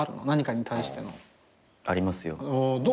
何かに対しての。ありますよ。